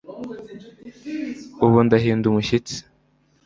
Ubu ndahinda umushyitsi